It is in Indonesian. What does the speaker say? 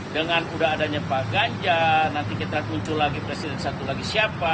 dengan sudah adanya pak ganjar nanti kita muncul lagi presiden satu lagi siapa